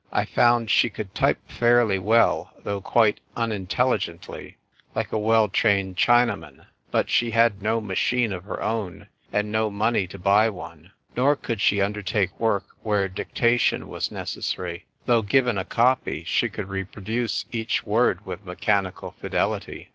I found she could type fairly well, though quite unintelligently, like a well trained Chinaman ; but she had no machine of her own, and no money to buy one ; nor could she undertake work where dictation was necessary ; though, given a copy, she could reproduce each word with mechanical fidelity.